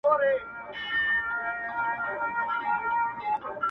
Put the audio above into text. o یو ډارونکی، ورانونکی شی خو هم نه دی.